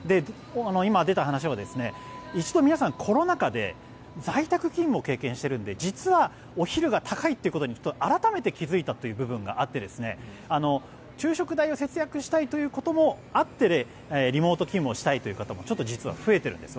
今出た話一度、皆さんコロナ禍で在宅勤務を経験しているので実は、お昼が高いということに改めて気付いたという部分があって昼食代を節約したいということもあってリモート勤務をしたいという方も実は増えているんです。